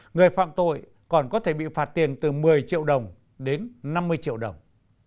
người phạm tội còn có thể bị phạt tiền từ một mươi triệu đồng đến năm mươi triệu đồng